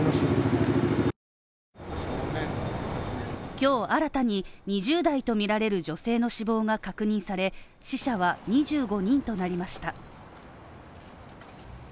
今日新たに２０代とみられる女性の死亡が確認され、死者は２５人となりました。